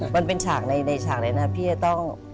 มันเป็นฉากในฉากเลยนะพี่จะต้อง